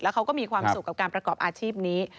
เขาก็มีความสุขกับการประกอบอาชีพนี้